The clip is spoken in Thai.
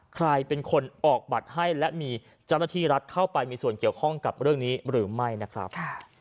ใครเป็นคนออกบัตรให้และมีเจ้าหน้าที่รัฐเข้าไปมีส่วนเกี่ยวข้องกับเรื่องนี้หรือไม่นะครับ